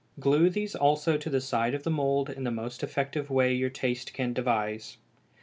Glue these also to the side of the mould in the most effective way your taste can devise.